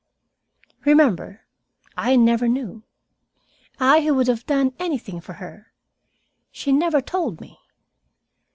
"Remember, I never knew. I, who would have done anything for her she never told me.